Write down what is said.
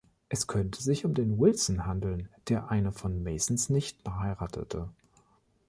Es könnte sich um den Wilson handeln, der eine von Masons Nichten heiratete.